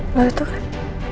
baru tuh kan